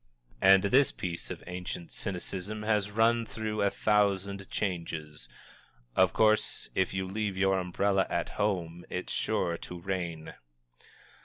And this piece of ancient cynicism has run through a thousand changes: "_Of course if you leave your umbrella at home it's sure to rain!